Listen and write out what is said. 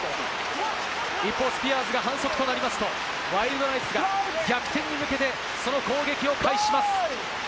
一方、スピアーズが反則となりますと、ワイルドナイツが逆転に向けて、その攻撃を開始します。